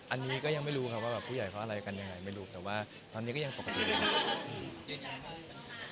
อันนี้ก็ยังไม่รู้ครับว่าแบบผู้ใหญ่เขาอะไรกันยังไงไม่รู้แต่ว่าตอนนี้ก็ยังปกติเลยครับ